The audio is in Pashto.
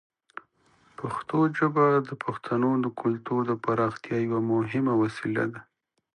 پښتو ژبه د پښتنو د کلتور د پراختیا یوه مهمه وسیله ده.